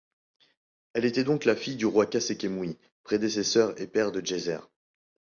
Elle était donc la fille du roi Khâsekhemoui, prédécesseur et père de Djéser.